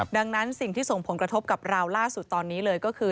ดังนั้นสิ่งที่ส่งผลกระทบกับเราล่าสุดตอนนี้เลยก็คือ